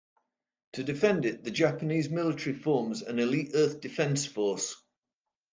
To defend it, the Japanese military forms an elite Earth Defense Force.